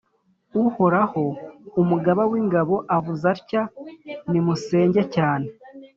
Uhoraho, Umugaba w’ingabo, avuze atya: nimusenge cyane